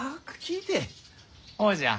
ほうじゃ。